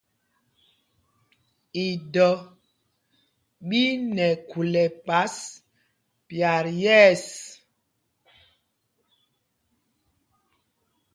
Idɔ ɓí nɛ khul ɛpas pyat yɛ̂ɛs.